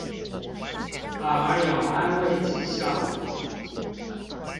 反而有安慰劑效果